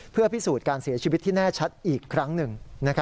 เพื่อพิสูจน์การเสียชีวิตที่แน่ชัดอีกครั้งหนึ่ง